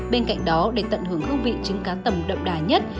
bên cạnh đó để tận hưởng hương vị trứng cá tầm đậm đà nhất